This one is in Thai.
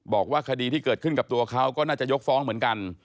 บอกว่าคดีที่เกิดขึ้นกับตัวเขาก็น่าจะยกฟ้องเหมือนกัน